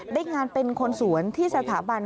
ได้งานเป็นคนสวนที่สถาบัน